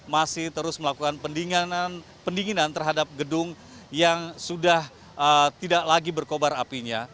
masih terus melakukan pendinginan terhadap gedung yang sudah tidak lagi berkobar apinya